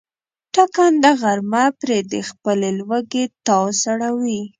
ټکنده غرمه پرې د خپلې لوږې تاو سړوي.